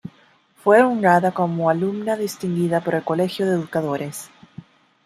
Fue honrada como Alumna Distinguida por el Colegio de Educadores.